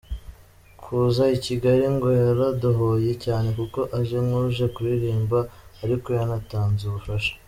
Kuza i Kigali ngo yaradohoye cyane kuko ‘aje nk’uje kuririmba ariko yanatanze ubufasha.